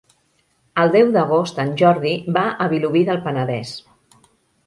El deu d'agost en Jordi va a Vilobí del Penedès.